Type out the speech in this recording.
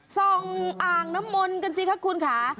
ส่องอ่างน้ำมนต์กันสิคะคุณค่ะ